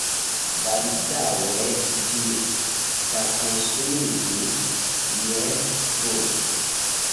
Baldaŭe ĝi trakonstruiĝis je burgo.